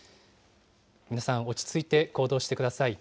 皆さん、落ち着いて行動してください。